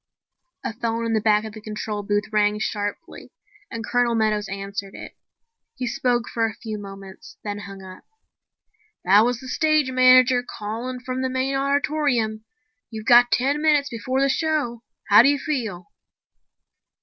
A phone in the back of the control booth rang sharply and Colonel Meadows answered it. He spoke for a few moments, then hung up. "That was the stage manager calling from the main auditorium. You've got ten minutes before the show. How do you feel?"